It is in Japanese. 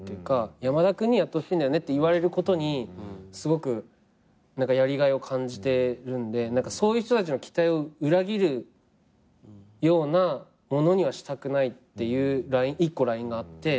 「山田君にやってほしいんだよね」って言われることにすごくやりがいを感じてるんでそういう人たちの期待を裏切るようなものにはしたくないっていう１個ラインがあって。